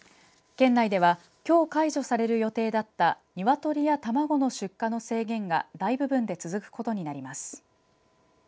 県内ではきょう解除される予定だった鶏や卵の出荷の制限が大部分で続くことになります。